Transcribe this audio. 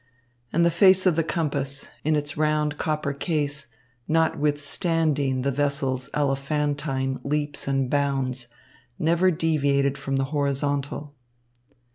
And the face of the compass, in its round copper case, notwithstanding the vessel's elephantine leaps and bounds, never deviated from the horizontal.